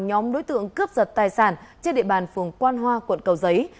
nhóm đối tượng cướp giật tài sản trên địa bàn phường quan hoa quận cầu giấy